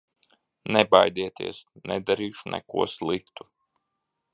Nebaidieties, nedarīšu neko sliktu!